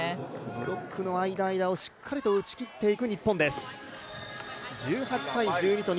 ブロックの間、間をしっかりと打ちきっていく日本です。